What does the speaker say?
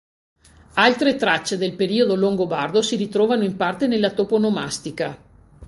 Altre tracce del periodo longobardo si ritrovano in parte nella toponomastica.